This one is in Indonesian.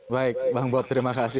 baik bang bob terima kasih